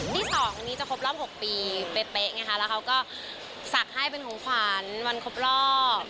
พี่สองคือจะครบรอบ๖ปีเป๊ค่ะแล้วเขาก็สักให้เป็นของขวัญวันครบรอบ